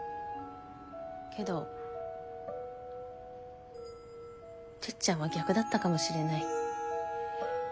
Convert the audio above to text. けどてっちゃんは逆だったかもしれない。